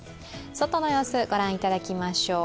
外の様子、ご覧いただきましょう。